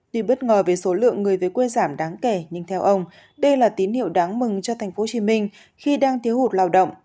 tuy bất ngờ về số lượng người về quê giảm đáng kể nhưng theo ông đây là tín hiệu đáng mừng cho tp hcm khi đang thiếu hụt lao động